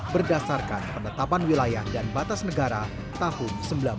berdasarkan penetapan wilayah dan batas negara tahun seribu sembilan ratus empat puluh lima